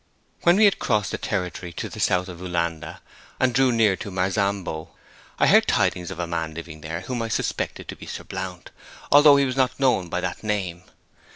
When we had crossed the territory to the South of Ulunda, and drew near to Marzambo, I heard tidings of a man living there whom I suspected to be Sir Blount, although he was not known by that name.